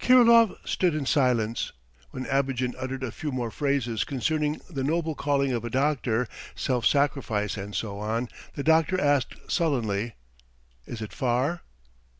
Kirilov stood in silence. When Abogin uttered a few more phrases concerning the noble calling of a doctor, self sacrifice, and so on, the doctor asked sullenly: "Is it far?"